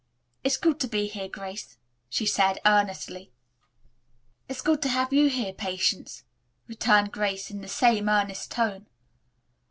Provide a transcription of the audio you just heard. "It's good to be here, Grace," she said earnestly. "It's good to have you here, Patience," returned Grace, in the same earnest tone.